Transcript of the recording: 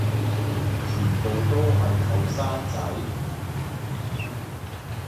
全部都係後生仔